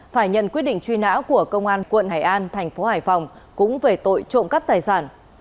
phải nhận quyết định truy nã của công an quận hải an thành phố hải phòng cũng về tội trộm cắp tài sản